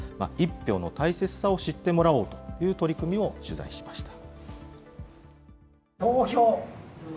１票の大切さを知ってもらおうという取り組みを取材しました。